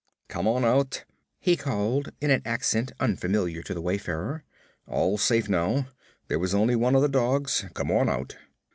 'Come on out,' he called, in an accent unfamiliar to the wayfarer. 'All's safe now. There was only one of the dogs. Come on out.'